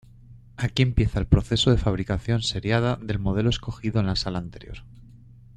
Aquí empieza el proceso de fabricación seriada del modelo escogido en la sala anterior.